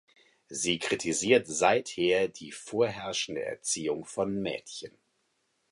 Sie kritisiert seither die vorherrschende Erziehung von Mädchen.